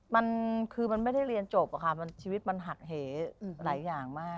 มันคือมันไม่ได้เรียนจบอะค่ะชีวิตมันหักเหหลายอย่างมาก